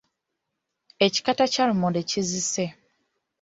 Ekikata kya lumonde kizise.